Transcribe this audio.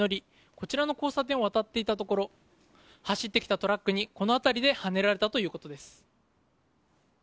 こちらの交差点を渡っていたところ走ってきたトラックにこの辺りではねられたということです。